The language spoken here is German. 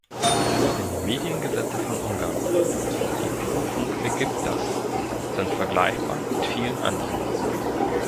Denn die Mediengesetze von Ungarn die Prüfung ergibt das sind vergleichbar mit vielen anderen.